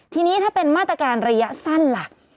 ทีนี้ถ้าเป็นมาตรการระยะสั้นล่ะ